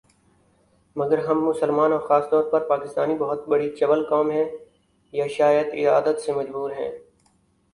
مگر ہم مسلمان اور خاص طور پر پاکستانی بہت بڑی چول قوم ہیں ، یا شاید عادت سے مجبور ہیں